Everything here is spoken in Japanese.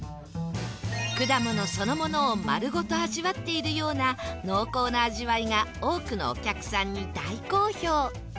果物そのものを丸ごと味わっているような濃厚な味わいが多くのお客さんに大好評